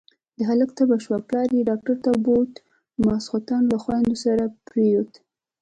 د هلک تبه شوه، پلار يې ډاکټر ته بوت، ماسختن له خويندو سره پرېووت.